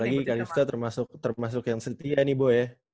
apalagi kadif tasim termasuk yang setia nih bo ya